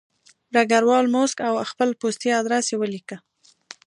ډګروال موسک و او خپل پستي ادرس یې ولیکه